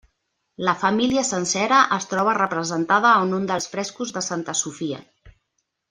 La família sencera es troba representada en un dels frescos de Santa Sofia.